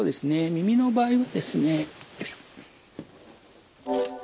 耳の場合はですね。